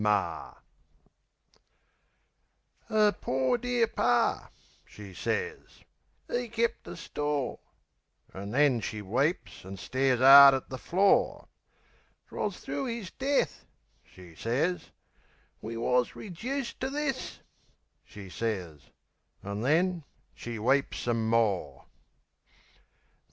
Mar "'Er pore dear par," she sez, "'e kept a store"; An' then she weeps an' stares 'ard at the floor. "'Twas thro' 'is death," she sez, "we wus rejuiced To this," she sez...An' then she weeps some more.